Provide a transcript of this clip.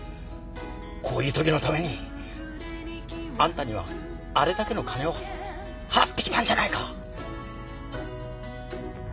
こういう時のためにあんたにはあれだけの金を払ってきたんじゃないか。